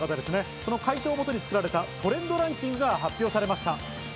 その回答を元に作られたトレンドランキングが発表されました。